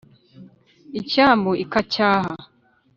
icyambu ikacyaha